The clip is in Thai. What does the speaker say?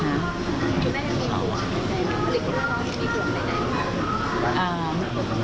คุณแม่มีห่วงใดหรือคุณน้องมีห่วงใดค่ะ